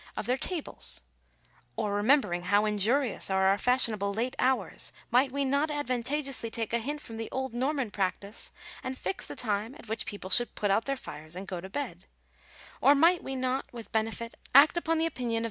287 of their tables : or, remembering how injurious are our fashion able late hours, might we not advantageously take a hint from the old Norman practice, and fix the time at which people should put out their fires and go to bed : or might we not with benefit act upon the opinion of M.